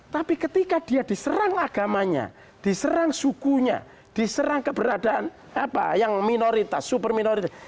tapi ketika dia diserang agamanya diserang sukunya diserang keberadaan apa yang minoritas super minoritas